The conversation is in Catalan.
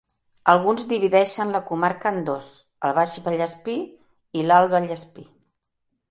Alguns divideixen la comarca en dos, el Baix Vallespir i l'Alt Vallespir.